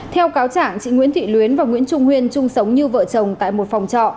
theo cáo trạng chị nguyễn thị luyến và nguyễn trung huyên chung sống như vợ chồng tại một phòng trọ